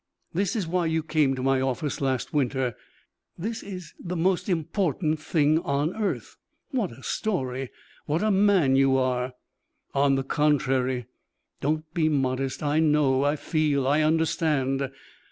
This is why you came to my office last winter. This is the most important thing on earth. What a story! What a man you are!" "On the contrary " "Don't be modest. I know. I feel. I understand."